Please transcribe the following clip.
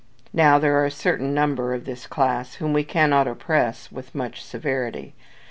Now there are a certain number of this class whom we cannot oppress with much severity.